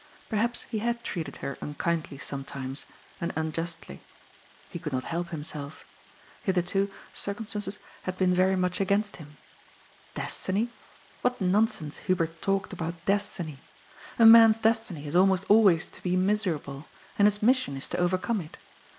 Perhaps he had treated her unkindly sometimes, and un justly. He could not help himself. Hitherto circumstances DOOMED. 366 had been very much against him. Destiny ? What non sense Hubert talked about Destiny ! A man's destiny is almost always to be miserable, and his mission is to over come it.